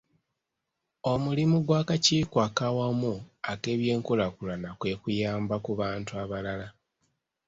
Omulimu gw'akakiiko ak'awamu ak'ebyenkulaakulana kwe kuyamba ku bantu abalala.